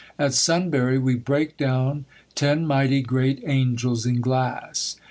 "At Sunbury, we brake down ten mighty great angels in glass.